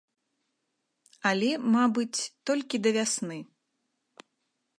Але, мабыць, толькі да вясны.